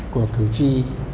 của cử tri